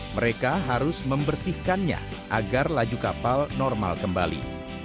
mereka harus membersihkannya agar laju kapal normal kembali